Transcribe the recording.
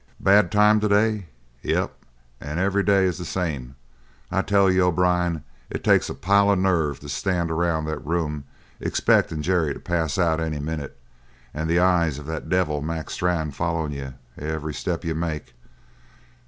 "Bad time to day? Yep, an' every day is the same. I tell you, O'Brien, it takes a pile of nerve to stand around that room expectin' Jerry to pass out any minute, and the eyes of that devil Mac Strann followin' you every step you make.